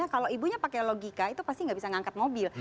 kalau ibunya pakai logika itu pasti nggak bisa ngangkat mobil